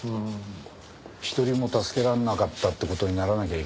一人も助けられなかったって事にならなきゃいいけどね。